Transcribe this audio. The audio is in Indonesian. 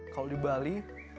kalau di bali